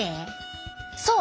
そう！